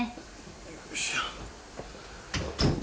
よいしょ。